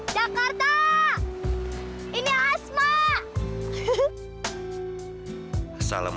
terima kasih deh asma